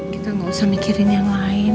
kita gak usah mikirin yang lain